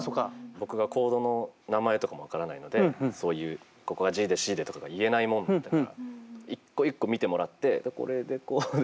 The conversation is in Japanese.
僕がコードの名前とかも分からないのでそういうここはＧでＣでとかが言えないもんだから一個一個見てもらってこれでこうでみたいな。